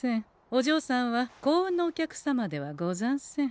おじょうさんは幸運のお客様ではござんせん。